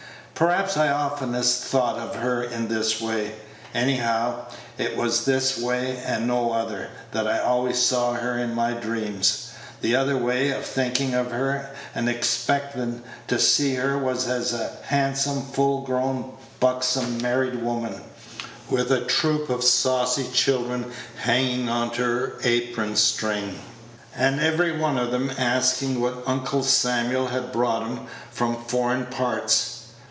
Perhaps I oftenest thought of her in this way. Anyhow, it was in this way, and no other, that I always saw her in my dreams. The other way of thinking of her, and expectin' to see her, was as a handsome, full grown, buxom married woman, with a troop of saucy children hanging on to her apron string, and every one of 'em askin' what Uncle Samuel had brought 'em from foreign parts.